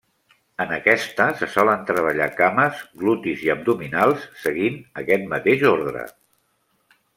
En aquesta, se solen treballar cames, glutis i abdominals seguint aquest mateix ordre.